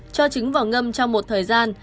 cho trứng vào ngâm trong một thời gian